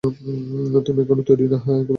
তুমি এখনো তৈরি না, একেবারেই না।